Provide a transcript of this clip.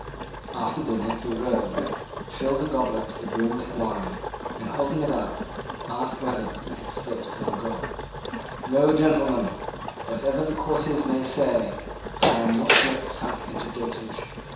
After dinner he rose, filled a goblet to the brim with wine, and, holding it up, asked whether he had spilt one drop. "No, gentlemen; whatever the courtiers may say, I am not yet sunk into dotage.